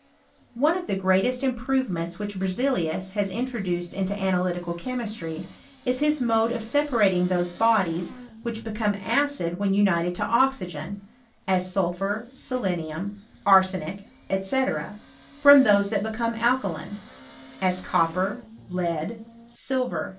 One of the greatest improvemeats which Berzelius lias introduced into analytical chemistry, is his mods of separating those bodies which became acid when unitf^ to oxygen, as sulphur, selenium, arsenic, &c., those that become alkaline, as copper, lead, silver.